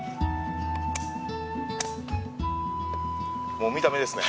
もう見た目ですね。